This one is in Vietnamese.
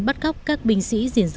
bắt góc các binh sĩ diễn dữ